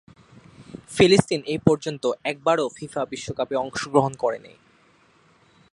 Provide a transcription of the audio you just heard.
ফিলিস্তিন এপর্যন্ত একবারও ফিফা বিশ্বকাপে অংশগ্রহণ করেনি।